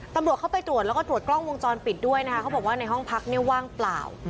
ตำรวจเข้าไปตรวจแล้วก็ตรวจกล้องวงจรปิดด้วยนะคะ